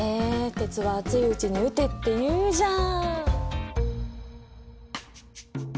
「鉄は熱いうちに打て」っていうじゃん！